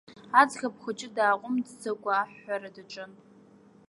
Аӡӷаб хәыҷы дааҟәымҵӡакәа аҳәҳәара даҿын.